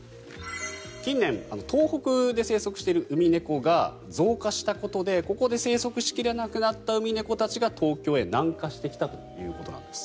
近年東北で生息しているウミネコが増加したことでここで生息しきれなくなったウミネコたちが東京へ南下してきたということなんです。